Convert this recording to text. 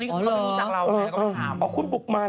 นี่เขาไม่รู้จักเราไงแล้วก็ไปถามเอาคุณปลุกมาเหรอ